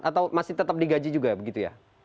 atau masih tetap digaji juga begitu ya